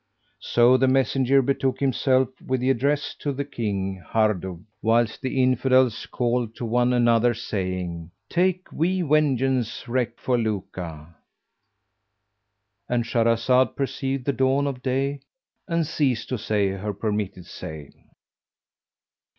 So the messenger betook himself with the address to King Hardub, whilst the Infidels called to one another saying, "Take we vengeance wreak for Luka!"—And Shahrazad perceived the dawn of day and ceased to say her permitted say.